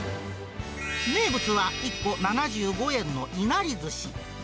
名物は、１個７５円のいなりずし。